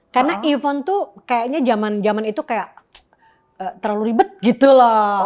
karena yvonne tuh kayaknya zaman zaman itu kayak terlalu ribet gitu loh